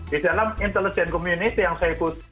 di dalam intelligence community yang saya ikut